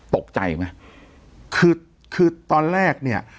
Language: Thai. ตกใจไหมคือคือตอนแรกเนี่ย